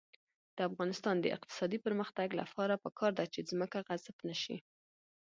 د افغانستان د اقتصادي پرمختګ لپاره پکار ده چې ځمکه غصب نشي.